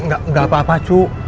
gak apa apa cu